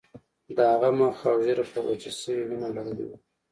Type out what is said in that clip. د هغه مخ او ږیره په وچه شوې وینه لړلي وو